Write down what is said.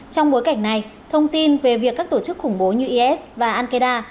trong bối cảnh này thông tin về việc các tổ chức khủng bố như is và al qaeda